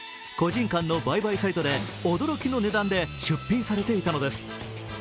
個人間の売買サイトで驚きの値段で出品されていたのです。